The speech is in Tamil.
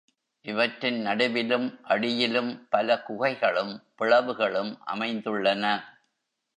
இவற்றின் நடுவிலும் அடியிலும் பல குகைகளும், பிளவுகளும் அமைந்துள்ளன.